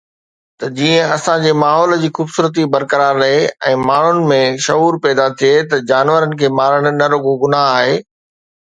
ته جيئن اسان جي ماحول جي خوبصورتي برقرار رهي ۽ ماڻهن ۾ شعور پيدا ٿئي ته جانورن کي مارڻ نه رڳو گناهه آهي.